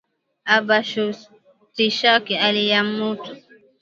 Aba shurtishaki ali ya mutu